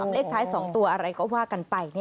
เลขท้าย๒ตัวอะไรก็ว่ากันไป